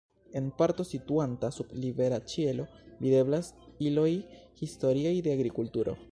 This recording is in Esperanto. En parto situanta sub libera ĉielo videblas iloj historiaj de agrikulturo.